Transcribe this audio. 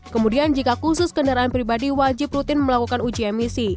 kemudian jika khusus kendaraan pribadi wajib rutin melakukan uji emisi